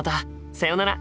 さよなら！